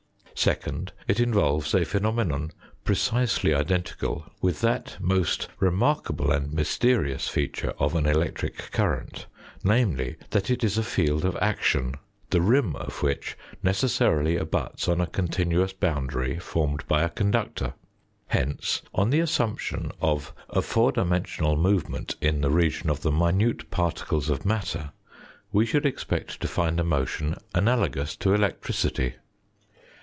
Second, it involves a phenome non precisely identical with that most remarkable and mysterious feature of an electric current, namely that it is a field of action, the rim of which necessarily abuts on a continuous boundary formed by a conductor. Hence, on the assumption of a four dimensional movement in the region of the minute particles of matter, we should expect to find a motion analogous to electricity.